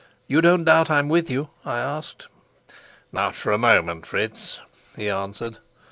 "You don't doubt I'm with you?" I asked. "Not for a moment, Fritz," he answered.